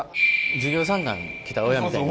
授業参観に来た親みたいな。